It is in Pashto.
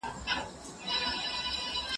کیمیا هم وروسته خپلواکي واخیسته.